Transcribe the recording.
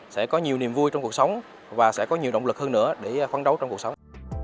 sẽ có nhiều niềm vui trong cuộc sống và sẽ có nhiều động lực hơn nữa để phấn đấu trong cuộc sống